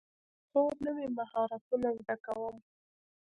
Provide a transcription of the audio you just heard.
هو، نوی مهارتونه زده کوم